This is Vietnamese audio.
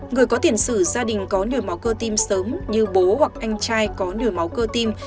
người có tiền sử gia đình có nhồi máu cơ tim sớm như bố hoặc anh trai có nhồi máu cơ tim